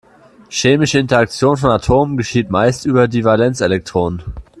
Chemische Interaktion von Atomen geschieht meist über die Valenzelektronen.